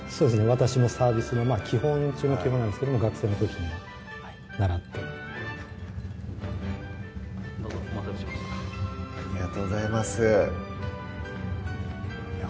私もサービスの基本中の基本なんですけども学生の時にははい習ってどうぞお待たせしましたありがとうございますいや